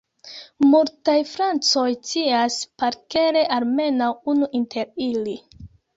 Multaj francoj scias parkere almenaŭ unu inter ili.